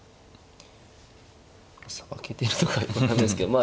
さばけてるとかよく分かんないですけどま